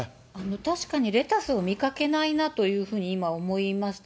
確かにレタスを見かけないなというふうに今、思いました。